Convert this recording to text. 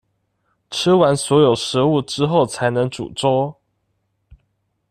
吃完所有食物之後才能煮粥